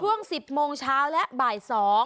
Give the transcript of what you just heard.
ช่วง๑๐โมงเช้าและบ่าย๒